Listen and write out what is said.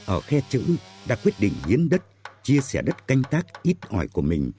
ở khe chữ đã quyết định hiến đất chia sẻ đất canh tác ít ỏi của mình